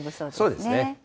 そうですね。